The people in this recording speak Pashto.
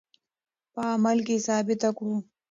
په عمل کې یې ثابته کړو.